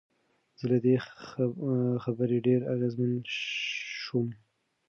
زه له دې خبرې ډېر اغېزمن شوم.